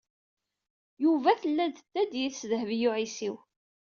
Yuba tella tedda-d yid-s Dehbiya u Ɛisiw.